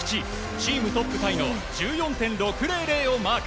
チームトップタイの１４．６００をマーク。